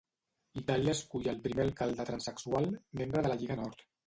Itàlia escull al primer alcalde transsexual, membre de la Lliga Nord.